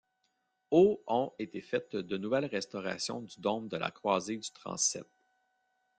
Au ont été faites de nouvelles restaurations du dôme de la croisée du transept.